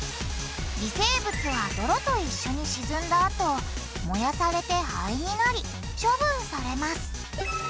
微生物は泥と一緒に沈んだあと燃やされて灰になり処分されます。